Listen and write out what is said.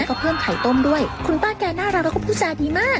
แล้วก็เพลิงไข่ต้มด้วยคุณป้าแกน่ารักแล้วก็พูดศาสตร์ดีมาก